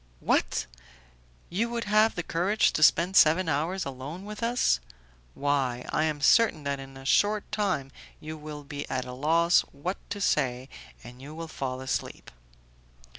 "What! you would have the courage to spend seven hours alone with us? Why, I am certain that in a short time you will be at a loss what to say, and you will fall asleep."